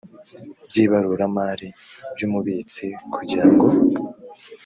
by ibaruramari by umubitsi kugira ngo